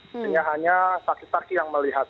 artinya hanya saksi saksi yang melihat